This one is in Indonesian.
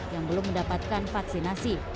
yang belum mendapatkan vaksinasi